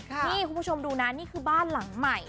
นี่คุณผู้ชมดูนะนี่คือบ้านหลังใหม่